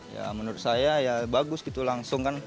ya menurut saya ya bagus gitu langsung kan